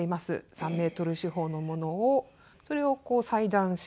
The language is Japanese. ３メートル四方のものをそれを裁断して。